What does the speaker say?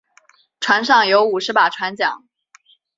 船上有五十把船浆。